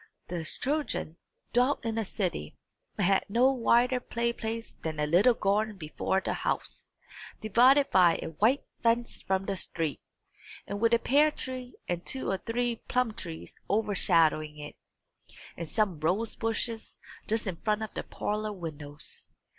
The children dwelt in a city, and had no wider play place than a little garden before the house, divided by a white fence from the street, and with a pear tree and two or three plum trees overshadowing it, and some rose bushes just in front of the parlour windows.